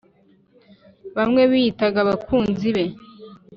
bamwe biyitaga abakunzi be.